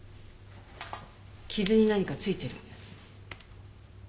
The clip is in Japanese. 傷に何か付いてる。